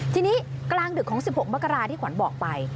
ทีนี้กลางดึกของ๑๖มกราที่ขวัญบอกไป